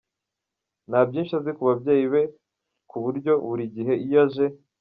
Nta byinshi azi ku babyeyi be ku buryo buri gihe iyo aje.